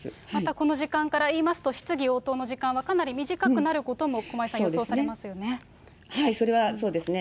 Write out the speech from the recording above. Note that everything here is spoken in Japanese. この時間からいいますと、質疑応答の時間はかなり短くなることも、駒井さん、それはそうですね。